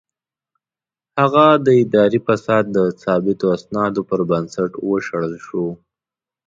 هغه د اداري فساد د ثابتو اسنادو پر بنسټ وشړل شو.